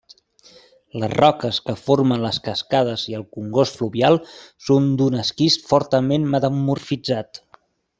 Les roques que formen les cascades i el congost fluvial són d'un esquist fortament metamorfitzat.